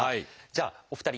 じゃあお二人